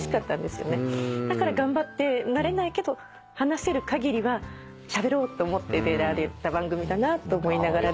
だから頑張ってなれないけど話せるかぎりはしゃべろうと思って出られた番組だなと思いながら。